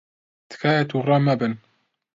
تکایە تووڕە مەبن.